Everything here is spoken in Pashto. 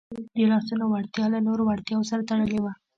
د لاسونو وړتیا له نورو وړتیاوو سره تړلې ده.